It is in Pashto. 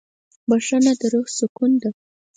بښنه د روح سکون ده.